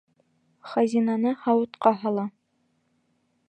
Хазинаны һауытҡа һала.